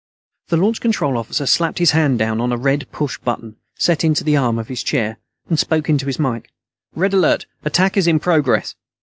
The Launch Control Officer slapped his hand down on a red push button set into the arm of his chair, and spoke into his mike. "Red Alert. Attack is in progress."